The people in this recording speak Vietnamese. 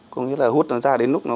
có nghĩa là hút nó ra đến lúc sạch